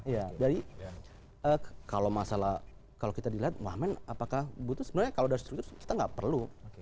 ya jadi kalau masalah kalau kita dilihat wahmen apakah butuh sebenarnya kalau dari struktur kita nggak perlu